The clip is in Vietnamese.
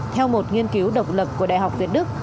theo một nghiên cứu độc lập của đại học việt đức